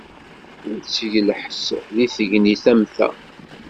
Ur tteg lḥess deg tegnit am ta.